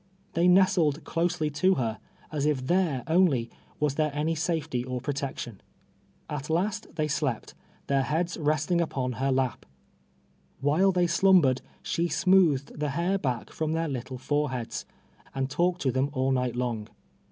They nestled closely to her, as if there only was there any safety or pro tection. At last they slept, their heads resting npon her lap. Vriiile they slumbered, she smoothed the hair ba(dc from their little foreheads, and talked to them all night long.